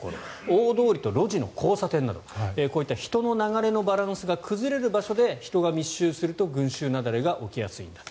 大通りと路地の交差点などこういった人の流れのバランスが崩れる場所で人が密集すると群衆雪崩が起きやすいんだ。